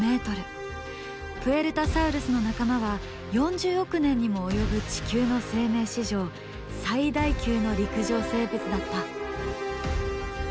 プエルタサウルスの仲間は４０億年にも及ぶ地球の生命史上最大級の陸上生物だった。